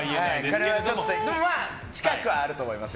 でも、近くはあると思います。